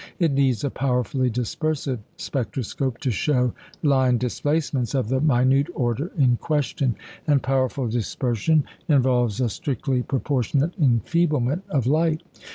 It needs a powerfully dispersive spectroscope to show line displacements of the minute order in question; and powerful dispersion involves a strictly proportionate enfeeblement of light.